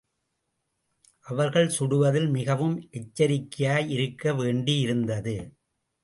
அவர்கள் சுடுவதில் மிகவும் எச்சரிக்கையாய் இருக்க வேண்டியிருந்தது.